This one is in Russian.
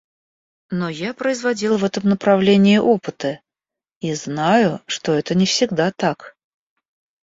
Но я производил в этом направлении опыты и знаю, что это не всегда так.